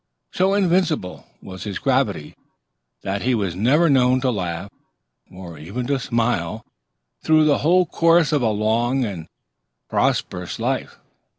So invincible was his gravity that he was never known to laugh or even to smile through the whole course of a long and prosperous life.